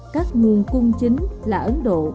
các nguồn cung chính là ấn độ